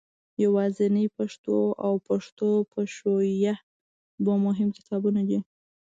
یوازنۍ پښتو او پښتو پښویه دوه مهم کتابونه دي.